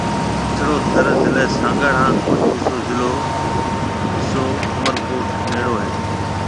اڇڙو ٿر ضلع سانگھڙ ھان ڪجھ حصو ضلع عمرڪوٽ رَي نيݪو ھيََََ